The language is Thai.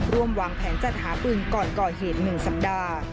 วางแผนจัดหาปืนก่อนก่อเหตุ๑สัปดาห์